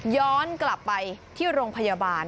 ย้อนกลับไปที่โรงพยาบาล